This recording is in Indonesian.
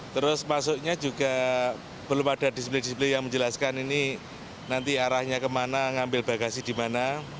terus masuknya juga belum ada disiplin disiplin yang menjelaskan ini nanti arahnya kemana ngambil bagasi di mana